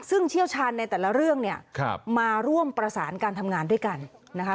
ซึ่งเชี่ยวชาญในแต่ละเรื่องเนี่ยมาร่วมประสานการทำงานด้วยกันนะคะ